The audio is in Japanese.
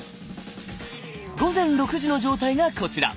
午前６時の状態がこちら。